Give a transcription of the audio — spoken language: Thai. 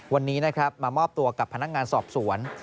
วันนี้นะครับมามอบตัวกับพนักงานสอบสวน